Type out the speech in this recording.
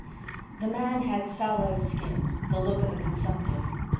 9 The man had sallow skin; the look of a consumptive.